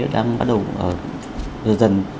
đang bắt đầu dần dần